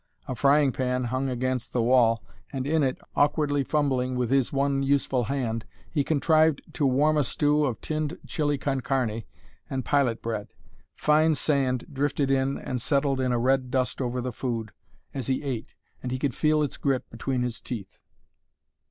A frying pan hung against the wall, and in it, awkwardly fumbling with his one useful hand, he contrived to warm a stew of tinned chile con carne and pilot bread. Fine sand drifted in and settled in a red dust over the food as he ate, and he could feel its grit between his teeth.